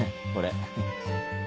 これ。